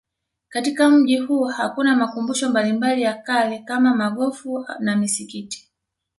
Katika mji huu kuna makumbusho mbalimbali ya kale kama maghofu na misikiti